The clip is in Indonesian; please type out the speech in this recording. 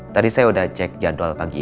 tadi saya udah cek jadwal pagi ini